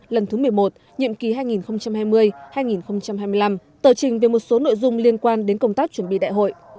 lần thứ một mươi một nhiệm kỳ hai nghìn hai mươi hai nghìn hai mươi năm tờ trình về một số nội dung liên quan đến công tác chuẩn bị đại hội